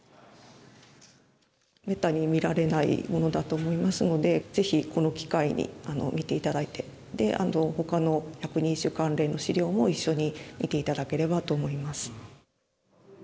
めったに見られないものと思いますのでぜひこの機会に見ていただいてぜひほかの百人一首関連の資料も一緒に見ていただければと思います。